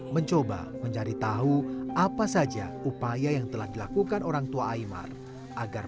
mencoba mencari tahu apa saja upaya yang telah dilakukan orangtua aymar